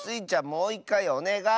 もういっかいおねがい！